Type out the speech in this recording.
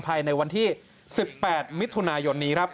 ภายในวันที่๑๘มิถุนายนนี้ครับ